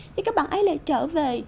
thì các bạn ấy lại trở về